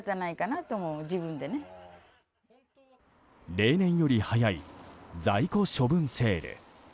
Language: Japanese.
例年より早い在庫処分セール。